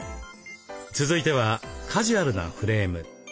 続いてはカジュアルなフレーム。